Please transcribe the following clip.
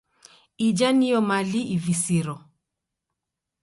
Ija niyo mali ivisiro.